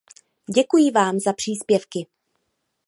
Děkuji vám za příspěvky.